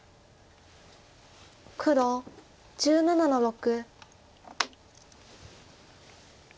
黒１７の六。